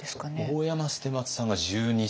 大山捨松さんが１２歳。